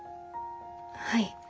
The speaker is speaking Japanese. はい。